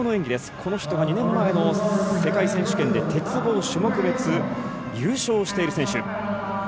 この人が２年前の世界選手権で鉄棒種目別優勝している選手。